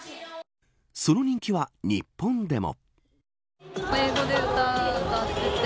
その人気は日本でも。